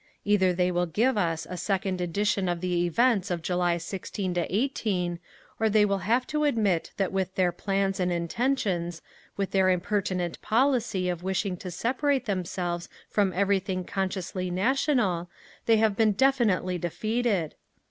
Either they will give us… a second edition of the events of July 16 18, or they will have to admit that with their plans and intentions, with their impertinent policy of wishing to separate themselves from everything consciously national, they have been definitely defeated….